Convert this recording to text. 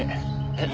え？